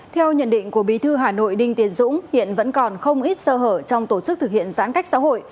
theo nhận định của bí thư hà nội đinh tiến dũng hiện vẫn còn không ít sơ hở trong tổ chức thực hiện giãn cách xã hội